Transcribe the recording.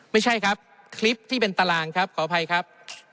ไม่ใช่ครับคลิปที่เป็นตารางครับขออภัยครับ